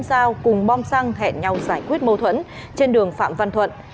dao cùng bom xăng hẹn nhau giải quyết mâu thuẫn trên đường phạm văn thuận